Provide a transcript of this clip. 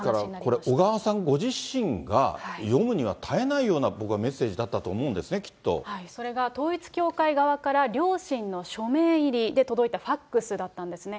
ですから、小川さんご自身が読むには堪えないような僕はメッセージだったとそれが統一教会側から、両親の署名入りで届いたファックスだったんですね。